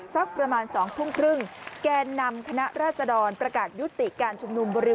สักประมาณ๒ทุ่มครึ่งแกนนำคณะราษดรประกาศยุติการชุมนุมบริเวณ